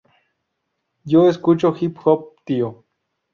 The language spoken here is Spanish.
Yo escucho hip-hop, tío.